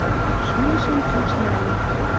Шӱлӹшӹм чуч нӓлӹн